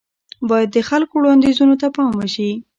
بايد د خلکو وړانديزونو ته پام وشي.